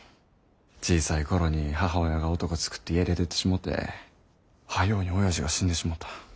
小さい頃に母親が男つくって家出てってしもてはようにおやじが死んでしもた。